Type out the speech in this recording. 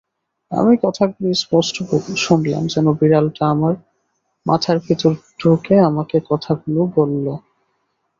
আমি কথাগুলি স্পষ্ট শুনলাম-যেন বিড়ালটা আমার মাথার ভেতর ঢুকে আমাকে কথাগুলি বলল।